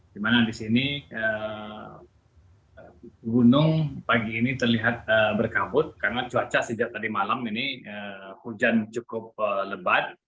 di mana di sini gunung pagi ini terlihat berkabut karena cuaca sejak tadi malam ini hujan cukup lebat